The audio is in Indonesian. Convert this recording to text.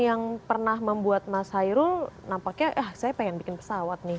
yang pernah membuat mas hairul nampaknya saya pengen bikin pesawat nih